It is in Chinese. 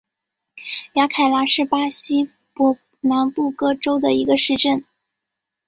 雅凯拉是巴西伯南布哥州的一个市镇。